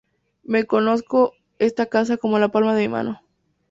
Me conozco esta casa como la palma de mi mano